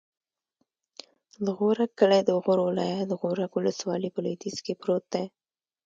د غورک کلی د غور ولایت، غورک ولسوالي په لویدیځ کې پروت دی.